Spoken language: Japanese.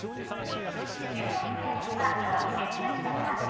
１０億円は用意できましたか？